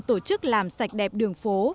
tổ chức làm sạch đẹp đường phố